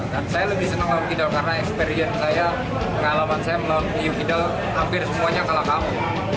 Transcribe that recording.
dan saya lebih senang lawan kidal karena experience saya pengalaman saya melawan kidal hampir semuanya kalah ko